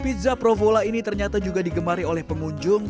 pizza provola ini ternyata juga digemari oleh pengunjung